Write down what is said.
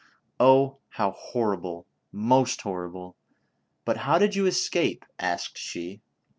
" O how horrible 1 most horrible 1 But how did you es cape ?" asked she.